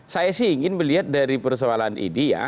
saya sih ingin melihat dari persoalan ini ya